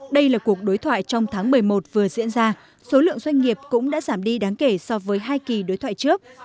đây là cuộc đối thoại trong tháng một mươi một vừa diễn ra số lượng doanh nghiệp cũng đã giảm đi đáng kể so với hai kỳ đối thoại trước